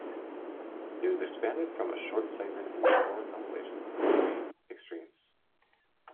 It was expanded from a short segment in the horror compilation, "Three... Extremes".